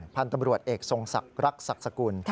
พันธุ์ตำรวจเอกทรงรักษักษกุล